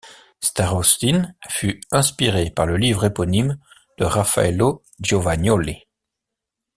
Starostin fut inspiré par le livre éponyme de Raffaello Giovagnoli.